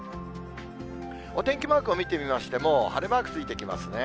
お天気マークを見てみましても、晴れマークついてきますね。